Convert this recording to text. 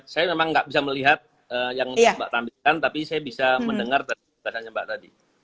saya memang nggak bisa melihat yang mbak tampilkan tapi saya bisa mendengar dari penjelasannya mbak tadi